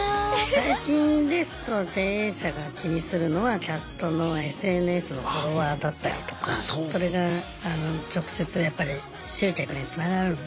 最近ですと経営者が気にするのはキャストのＳＮＳのフォロワーだったりとかそれが直接やっぱり集客につながるので。